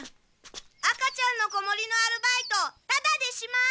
あかちゃんの子守のアルバイトタダでします！